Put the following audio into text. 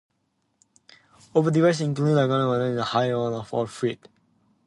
Other devices include a column containing a porous high-density polyethylene barrier or frit.